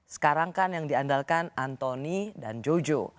sekarang kan yang diandalkan antoni dan jojo